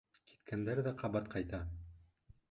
Киткәндәр ҙә ҡабат ҡайта.